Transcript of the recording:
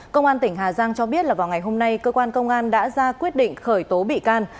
công an tỉnh hà giang cho biết là vào ngày hôm nay cơ quan công an đã ra quyết định khởi tố bị can